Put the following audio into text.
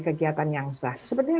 kegiatan yang sah